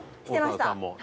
してました。